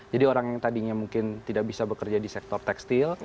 orang yang tadinya mungkin tidak bisa bekerja di sektor tekstil